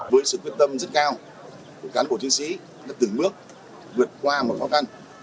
với sự quyết tâm rất cao của cán bộ chiến sĩ đã từng bước vượt qua một khó khăn